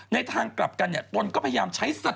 ทางกลับกันตนก็พยายามใช้สติ